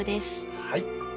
はい。